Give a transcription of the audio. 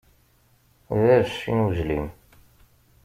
D abecci n wejlim.